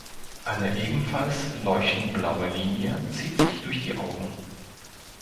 Eine ebenfalls leuchtend-blaue Linie zieht sich durch die Augen.